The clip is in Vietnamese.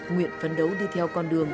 nguyện phấn đấu đi theo con đường